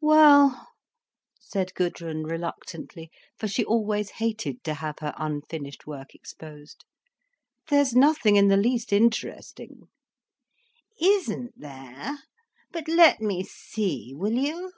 "Well—" said Gudrun reluctantly, for she always hated to have her unfinished work exposed—"there's nothing in the least interesting." "Isn't there? But let me see, will you?"